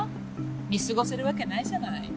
見過ごせるわけないじゃない。